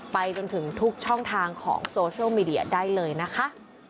ไปจนถึงทุกช่องทางของโซเชียลมีเดียได้เลยนะคะ